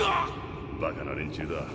バカな連中だ。